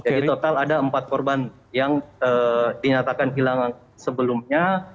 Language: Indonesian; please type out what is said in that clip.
jadi total ada empat korban yang dinyatakan hilang sebelumnya